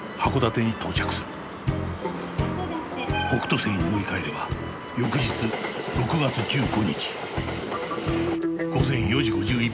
北斗星に乗り換えれば翌日６月１５日午前４時５１分に仙台に到着する。